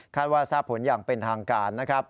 ว่าทราบผลอย่างเป็นทางการนะครับ